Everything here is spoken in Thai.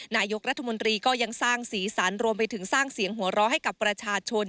นายกรัฐมนตรีก็ยังสร้างสีสันรวมไปถึงสร้างเสียงหัวเราะให้กับประชาชน